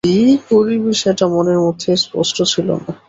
কী করিবে সেটা মনের মধ্যে স্পষ্ট ছিল না।